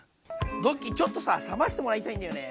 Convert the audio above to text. ドッキーちょっとさ冷ましてもらいたいんだよね。